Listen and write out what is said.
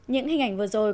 những hình ảnh vừa rồi